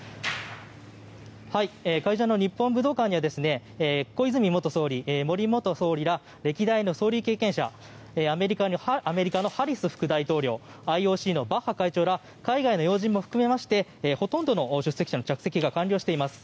会場の日本武道館には小泉元総理森元総理ら歴代の総理経験者アメリカのハリス副大統領ＩＯＣのバッハ会長ら海外の要人も含めましてほとんどの出席者の着席が完了しています。